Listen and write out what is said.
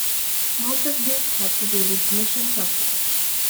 Most of these had to do with mission support.